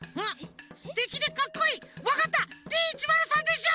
すてきでかっこいいわかったＤ１０３でしょ！